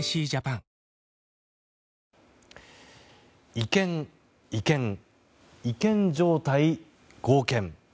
違憲、違憲違憲状態、合憲。